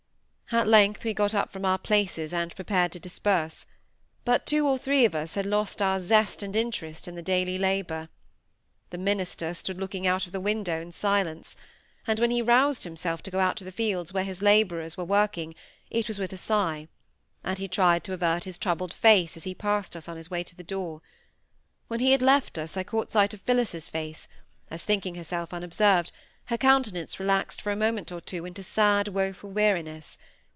At length we got up from our places, and prepared to disperse; but two or three of us had lost our zest and interest in the daily labour. The minister stood looking out of the window in silence, and when he roused himself to go out to the fields where his labourers were working, it was with a sigh; and he tried to avert his troubled face as he passed us on his way to the door. When he had left us, I caught sight of Phillis's face, as, thinking herself unobserved, her countenance relaxed for a moment or two into sad, woeful weariness.